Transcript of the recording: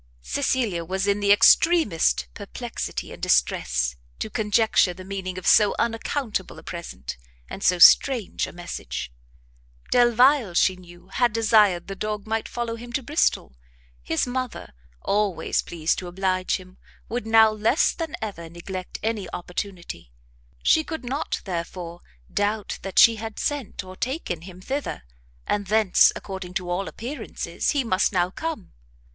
Cecilia was in the extremest perplexity and distress to conjecture the meaning of so unaccountable a present, and so strange a message. Delvile, she knew, had desired the dog might follow him to Bristol; his mother, always pleased to oblige him, would now less than ever neglect any opportunity; she could not, therefore, doubt that she had sent or taken him thither, and thence, according to all appearances, he must now come.